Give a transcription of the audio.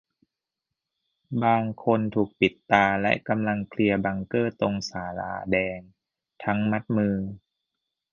บางคนถูกปิดตา และกำลังเคลียร์บังเกอร์ตรงศาลาแดง ทั้งมัดมือ